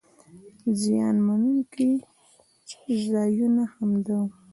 زیان مننونکي ځایونه همدا وو.